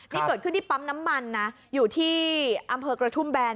นี่เกิดขึ้นที่ปั๊มน้ำมันนะอยู่ที่อำเภอกระทุ่มแบน